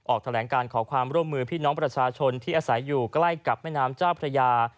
ออกแถลงการขอความร่วมมือพี่น้องประชาชนที่อาศัยอยู่ใกล้กับแม่น้ำเจ้าพระยา